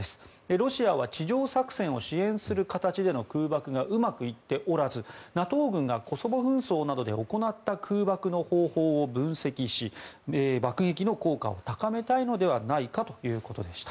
ロシアは地上作戦を支援する形での空爆がうまくいっておらずＮＡＴＯ軍がコソボ紛争などで行った空爆の方法を分析し爆撃の効果を高めたいのではないかということでした。